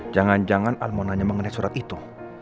jangan jangan al mau nanya mengenai surat itu